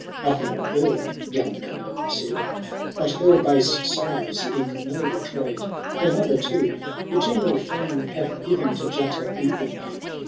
—" Nothing on her,"^ young Gunnar said, '* But her base sirens ignoble trade. Her mother, too ^the general fame Hath given to Jutta evil name.